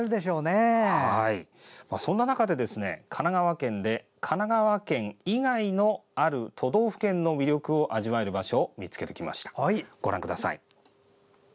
そんな中で、神奈川県で神奈川県以外のある都道府県の魅力を味わえる場所を見つけてきました。